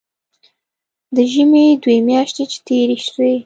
د ژمي دوې مياشتې چې تېرې سوې.